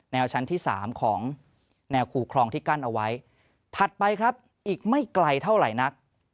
ชั้นที่๓ของแนวคู่คลองที่กั้นเอาไว้ถัดไปครับอีกไม่ไกลเท่าไหร่นัก